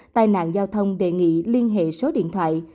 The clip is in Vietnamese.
tai nạn giao thông đề nghị liên hệ số điện thoại